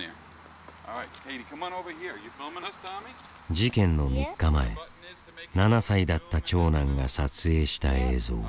事件の３日前７歳だった長男が撮影した映像。